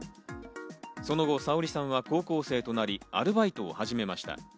その後、さおりさんは高校生となりアルバイトを始めました。